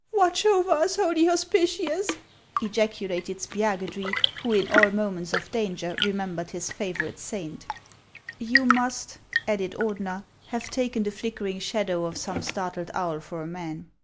" Watch over us, holy Hospitius !" ejaculated Spiagudry, 238 HANS OF ICELAND. who in all moments of danger remembered his favorite .saint. "You must," added Ordener, "have taken the flickering shadow of some startled owl for a man."